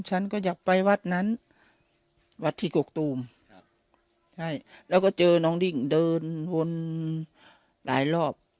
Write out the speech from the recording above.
ฉันก็อยากไปวัดนั้นวัดที่กกตูมครับใช่แล้วก็เจอน้องดิ้งเดินวนหลายรอบ